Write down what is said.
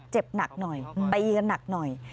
เจ็บหนักหน่อยตีกันหนักหน่อย